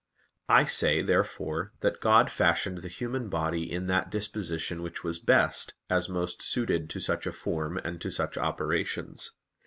I say, therefore, that God fashioned the human body in that disposition which was best, as most suited to such a form and to such operations.